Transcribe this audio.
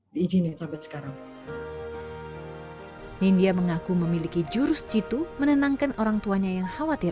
diizinin sampai sekarang india mengaku memiliki jurus citu menenangkan orangtuanya yang khawatir